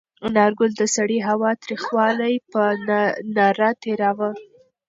انارګل د سړې هوا تریخوالی په نره تېراوه.